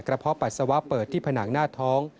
เพาะปัสสาวะเปิดที่ผนังหน้าท้อง